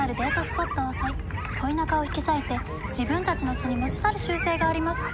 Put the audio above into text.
スポットを襲い恋仲を引き裂いて自分たちの巣に持ち去る習性があります。